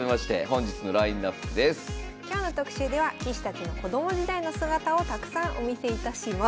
今日の特集では棋士たちの子供時代の姿をたくさんお見せいたします。